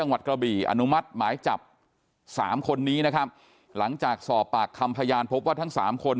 กระบี่อนุมัติหมายจับสามคนนี้นะครับหลังจากสอบปากคำพยานพบว่าทั้งสามคน